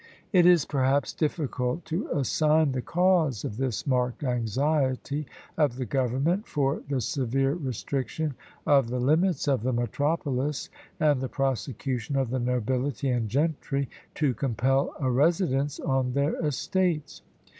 It is, perhaps, difficult to assign the cause of this marked anxiety of the government for the severe restriction of the limits of the metropolis, and the prosecution of the nobility and gentry to compel a residence on their estates.